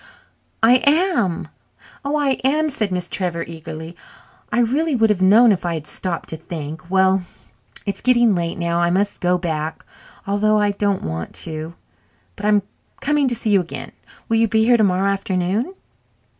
"I am. Oh, I am!" said Miss Trevor eagerly. "I really would have known if I had stopped to think. Well, it's getting late now. I must go back, although I don't want to. But I'm coming to see you again. Will you be here tomorrow afternoon?"